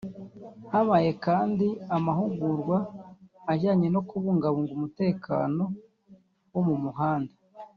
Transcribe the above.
Habaye kandi amahugurwa ajyanye no kubungabunga umutekano wo mu muhanda